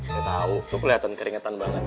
saya tau tuh keliatan keringetan banget